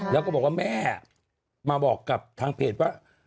แล้วก็บอกว่าแม่มาบอกกับทางเพจว่า